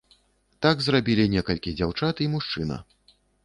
Так зрабілі некалькі дзяўчат і мужчына.